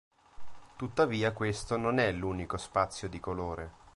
Tuttavia questo non è l'unico spazio di colore.